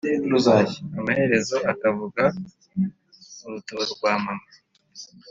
amaherezo ukavuga « urutuba rwa mama !>>